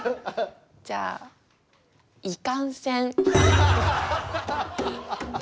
じゃあ「いかんせん」。